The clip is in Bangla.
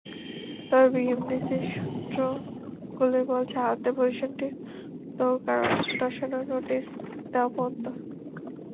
তবে বিএমডিসির সূত্রগুলোই বলছে, আদতে প্রতিষ্ঠানটির দৌড় কারণ দর্শানোর নোটিশ দেওয়া পর্যন্ত।